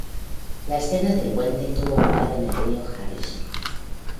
La escena del puente tuvo lugar en el río Harrison.